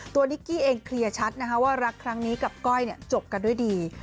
นิกกี้เองเคลียร์ชัดนะคะว่ารักครั้งนี้กับก้อยจบกันด้วยดี